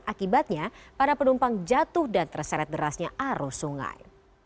akibatnya para penumpang jatuh dan terseret derasnya arus sungai